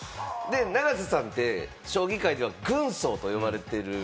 永瀬さんって将棋界では軍曹と言われている。